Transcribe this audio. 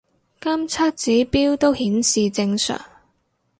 監測指標都顯示正常